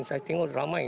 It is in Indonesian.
saya lihat ramai